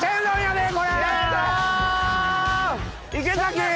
池崎！